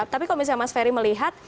tapi kalau misalnya mas ferry melihat